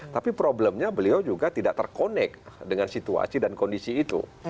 tapi problemnya beliau juga tidak terkonek dengan situasi dan kondisi itu